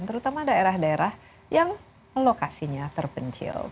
terutama daerah daerah yang lokasinya terpencil